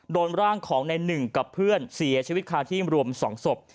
โดนร่างของในหนึ่งกับเพื่อนเสียชีวิตคาที่รวม๒ศพ